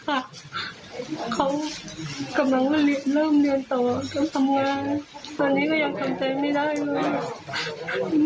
เขากำลังเริ่มเริ่มต่อการทำงานตอนนี้ไม่ได้ครับ